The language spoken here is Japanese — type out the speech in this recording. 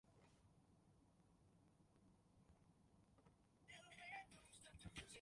そして、人世観なり世界観を描いたというのです